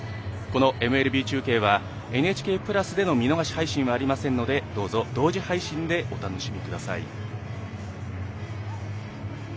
このＭＬＢ中継はＮＨＫプラスでの見逃し配信はありませんのでどうぞ同時配信でお楽しみください。